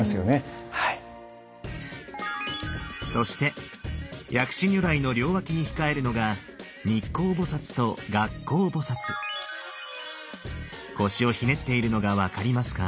そして薬師如来の両脇に控えるのが日腰をひねっているのが分かりますか？